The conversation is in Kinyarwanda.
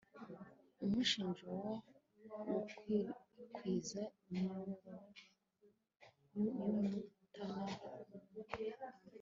umushinga wo gukwirakwiza imiyoboro y' itumanaho (optic fiber) waratangiye